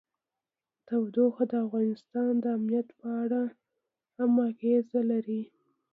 تودوخه د افغانستان د امنیت په اړه هم اغېز لري.